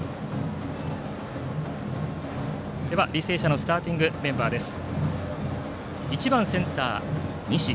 履正社のスターティングメンバーです。